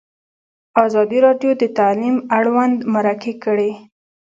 ازادي راډیو د تعلیم اړوند مرکې کړي.